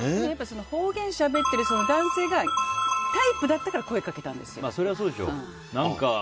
方言をしゃべってる男性がタイプだったから声をかけたんです。